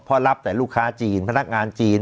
เพราะรับแต่ลูกค้าจีนพนักงานจีน